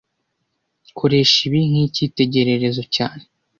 Koresha ibi nkicyitegererezo cyane